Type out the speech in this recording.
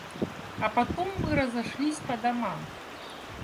А потом мы разошлись по домам.